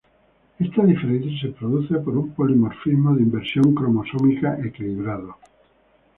Esta diferencia se produce por un polimorfismo de inversión cromosómica equilibrado.